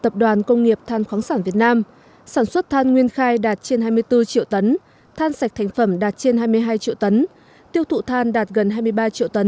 tập đoàn công nghiệp than khoáng sản việt nam sản xuất than nguyên khai đạt trên hai mươi bốn triệu tấn than sạch thành phẩm đạt trên hai mươi hai triệu tấn tiêu thụ than đạt gần hai mươi ba triệu tấn